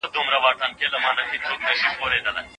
افغان خبریالان د نړیوالي ټولني بشپړ ملاتړ نه لري.